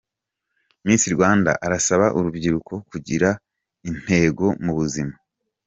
Miss Rwanda arasaba urubyiruko kugira intego mu buzima.